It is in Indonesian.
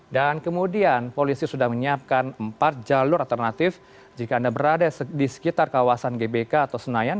dan kemudian polisi sudah menyiapkan empat jalur alternatif jika anda berada di sekitar kawasan gbk atau senayan